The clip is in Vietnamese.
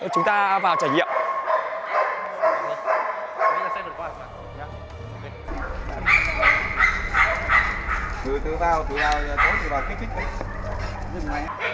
chúng ta vào trải nghiệm